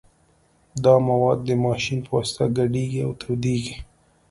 دا مواد د ماشین په واسطه ګډیږي او تودیږي